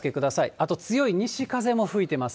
あと強い西風も吹いてます。